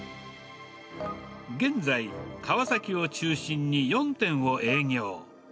現在、川崎を中心に４店を営業。